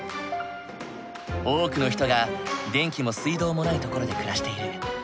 多くの人が電気も水道もない所で暮らしている。